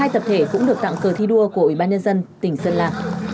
hai tập thể cũng được tặng cờ thi đua của ủy ban nhân dân tỉnh sơn la